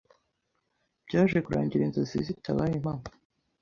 byaje kurangira inzozi zitabaye impamo